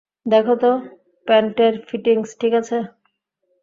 দেখ তো পেন্টের ফিটিংস ঠিক আছে?